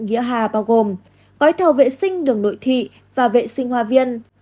nghĩa hà bao gồm gói thầu vệ sinh đường nội thị và vệ sinh hoa viên